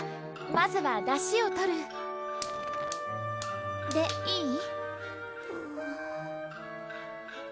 まずはだしを取るでいい？